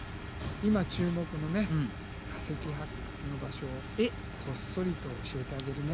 今注目のね化石発掘の場所をこっそりと教えてあげるね。